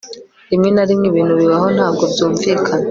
Rimwe na rimwe ibintu bibaho ntabwo byumvikana